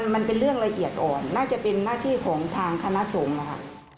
มันเป็นเรื่องละเอียดอ่อนน่าจะเป็นหน้าที่ของทางคณะสงฆ์นะคะ